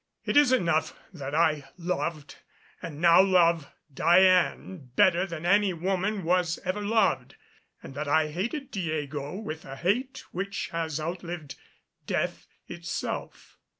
It is enough that I loved and now love Diane better than woman was ever loved, and that I hated Diego with a hate which has outlived death itself.